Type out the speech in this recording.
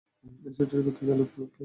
এই শিশুটি কোত্থেকে এলো প্লিজ বলুন।